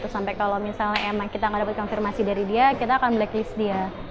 sampai kalau misalnya emang kita gak dapat konfirmasi dari dia kita akan blacklist dia